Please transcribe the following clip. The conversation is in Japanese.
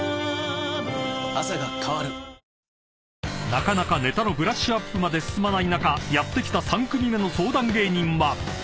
［なかなかネタのブラッシュアップまで進まない中やって来た３組目の相談芸人は］